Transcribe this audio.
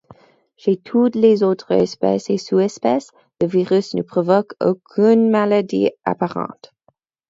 Chez toutes les autres espèces et sous-espèces, le virus ne provoque aucune maladie apparente.